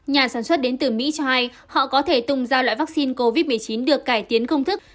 nhà sản xuất đến từ mỹ cho hay họ có thể tung ra loại vaccine covid một mươi chín được cải tiến công thức